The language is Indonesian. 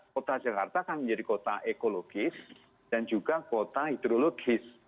kota jakarta kan menjadi kota ekologis dan juga kota hidrologis